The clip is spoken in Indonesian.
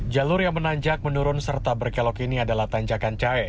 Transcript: jalur yang menanjak menurun serta berkelok ini adalah tanjakan cahe